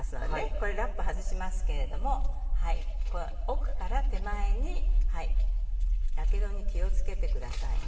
これラップ外しますけれども奥から手前にやけどに気を付けてくださいね。